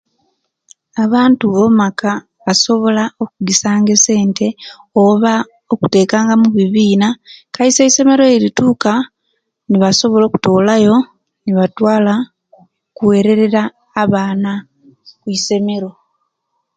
Abantu omaka basobola okugisa nga esente okuteka nga mubibina Kaisi eisomero eirituka nibasobola okutola yo nibatwala okuwerera abaana okwisomero